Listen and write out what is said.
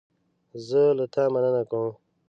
زه له تا مننه کوم.